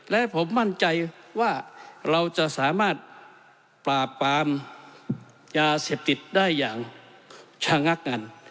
และผมมั่นใจว่าเราจะสามารถปราบปรามยาเสพติดได้อย่างชะงักกัน